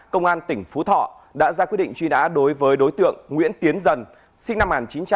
công an tỉnh phú thọ đã ra quyết định truy nã đối với đối tượng nguyễn tiến dần sinh năm một nghìn chín trăm tám mươi